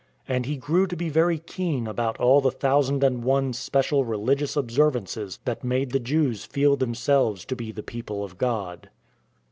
And he grew to be very keen about all the thousand and one special religious observances that made the Jews feel themselves to be the people of God.